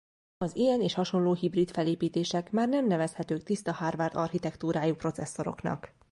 Az ilyen és hasonló hibrid felépítések már nem nevezhetők tiszta Harvard architektúrájú processzoroknak.